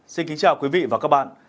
xin kính chào quý vị và các bạn